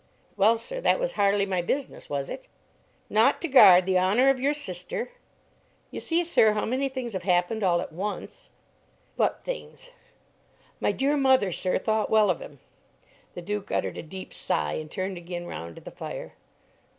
"Well, sir; that was hardly my business, was it?" "Not to guard the honour of your sister?" "You see, sir, how many things have happened all at once." "What things?" "My dear mother, sir, thought well of him." The Duke uttered a deep sigh and turned again round to the fire.